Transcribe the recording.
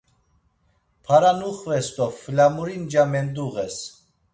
Para nuxves do flamuri nca menduğes.